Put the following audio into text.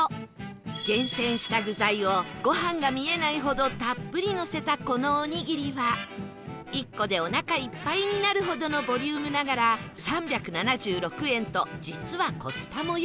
厳選した具材をご飯が見えないほどたっぷりのせたこのオニギリは１個でお腹いっぱいになるほどのボリュームながら３７６円と実はコスパも良く